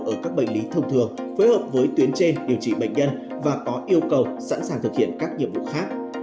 ở các bệnh lý thông thường phối hợp với tuyến chê điều trị bệnh nhân và có yêu cầu sẵn sàng thực hiện các nhiệm vụ khác